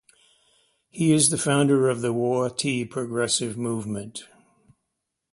He is the founder of the Woah-Tee Progressive Movement.